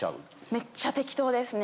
めっちゃ適当ですね。